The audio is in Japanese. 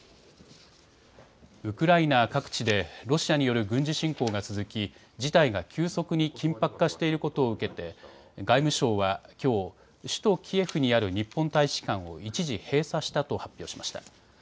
ウクライナ各地でロシアによる軍事侵攻が続き、事態が急速に緊迫化していることを受けて外務省はきょう、首都キエフにある日本大使館を一時閉鎖したと発表しました。